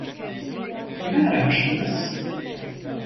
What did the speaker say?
Kimi aramıştınız?